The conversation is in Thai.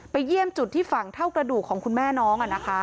เยี่ยมจุดที่ฝังเท่ากระดูกของคุณแม่น้อง